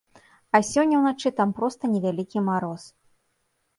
А сёння ўначы там проста невялікі мароз.